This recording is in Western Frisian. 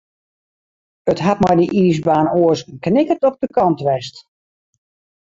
It hat mei dy iisbaan oars in knikkert op de kant west.